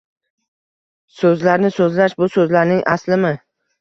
So’zlarni so’zlash bu so’zlarning aslimi?